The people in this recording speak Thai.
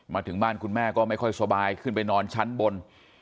มาถึงบ้านคุณแม่ก็ไม่ค่อยสบายขึ้นไปนอนชั้นบน